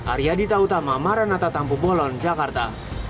arya dita utama maranata tampu bolon jakarta